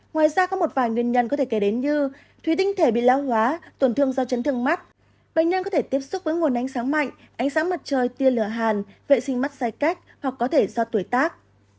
ngoài ra có một vài nguyên nhân có thể kể đến như thủy tinh thể bị lão hóa tổn thương do chấn thương mắt bệnh nhân có thể tiếp xúc với nguồn ánh sáng mạnh ánh sáng mặt trời tia lửa hàn vệ sinh mắt dài cách hoặc có thể do tuổi tác